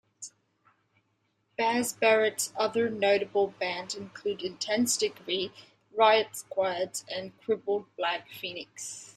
Baz Barrett's other notable bands include Intense Degree, Riot Squad and Crippled Black Phoenix.